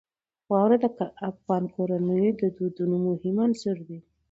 واوره د افغان کورنیو د دودونو مهم عنصر دی.